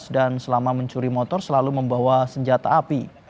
dan selama mencuri motor selalu membawa senjata api